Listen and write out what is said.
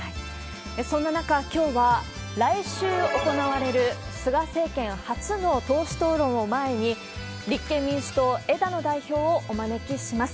そんな中、きょうは来週行われる菅政権初の党首討論を前に、立憲民主党、枝野代表をお招きします。